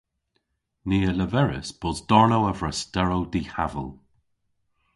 Ni a leveris bos darnow a vrasterow dihaval.